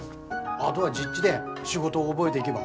あどは実地で仕事を覚えでいげば。